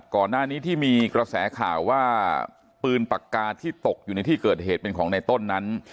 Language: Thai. ก่อนหน้านี้ที่มีกระแสข่าวว่าปืนปากกาที่ตกอยู่ในที่เกิดเหตุเป็นของในต้นนั้น